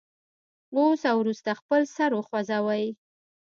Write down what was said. اوس او وروسته خپل سر وخوځوئ.